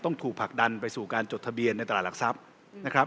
ถูกผลักดันไปสู่การจดทะเบียนในตลาดหลักทรัพย์นะครับ